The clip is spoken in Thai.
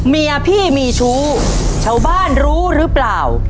เมียพี่มีชู้ชาวบ้านรู้หรือเปล่า